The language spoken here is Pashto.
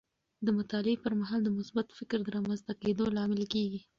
د مطالعې پر مهال د مثبت فکر د رامنځته کیدو لامل کیږي.